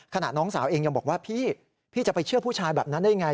น้องสาวเองยังบอกว่าพี่พี่จะไปเชื่อผู้ชายแบบนั้นได้ยังไง